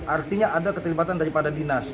artinya ada keterlibatan daripada dinas